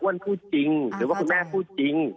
พูดจริงหรือว่าคุณแม่พูดจริง